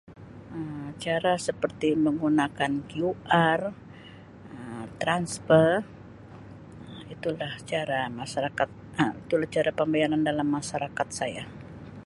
Um Cara seperti menggunakan QR Um transfer itu lah cara masyarakat Um itu lah cara pembayaran dalam masyarakat saya.